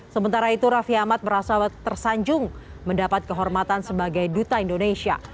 sementara itu raffi ahmad merasa tersanjung mendapat kehormatan sebagai duta indonesia